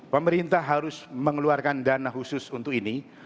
pemerintah harus mengeluarkan dana khusus untuk ini